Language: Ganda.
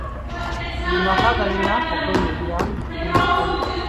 Buli maka galina okwenyigira mu kulima vanilla.